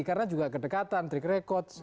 karena juga kedekatan trick record